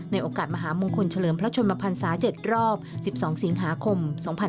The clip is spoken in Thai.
โอกาสมหามงคลเฉลิมพระชนมพันศา๗รอบ๑๒สิงหาคม๒๕๖๒